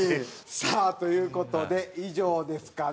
さあという事で以上ですかね。